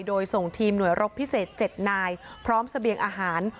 โดยส่งทีมหน่วยรบพิเศษ๗นายพร้อมเสบียงอาหาร